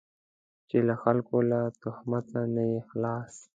چې له خلکو له تهمته نه یې خلاص.